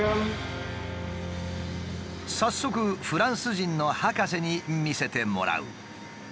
早速フランス人の博士に見せてもらう。